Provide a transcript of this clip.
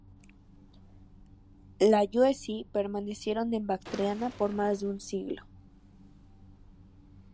Los yuezhi permanecieron en Bactriana por más de un siglo.